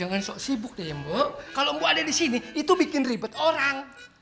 jangan sok sibuk deh mbak kalau mbak ada disini itu bikin ribet orang